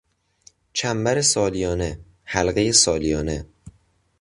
چنبر سالیانه، حلقهی سالیانه